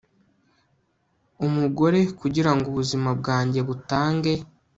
Umugore kugirango ubuzima bwanjye butange